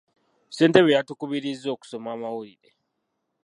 Ssentebe yatukubirizza okusoma amawulire .